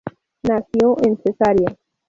Nació en Cesarea.